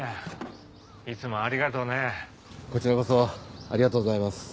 いつもあこちらこそありがとうございます